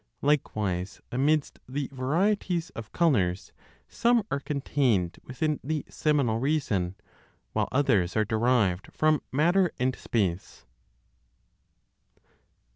Likewise, amidst the varieties of colors, some are contained within the seminal reason, while others are derived from matter and space.